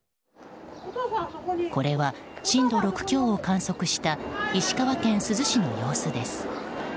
これは、震度６強を観測した石川県珠洲市の様子です。